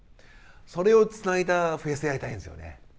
それをつないだフェスやりたいんですよね。